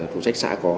phụ trách xã có